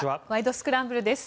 スクランブル」です。